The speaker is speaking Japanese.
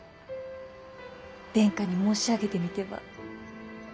殿下に申し上げてみては？